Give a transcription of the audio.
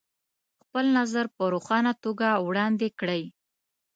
خپل نظر په روښانه توګه وړاندې کړئ.